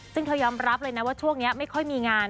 ซึ่งเธอยอมรับเลยนะว่าช่วงนี้ไม่ค่อยมีงาน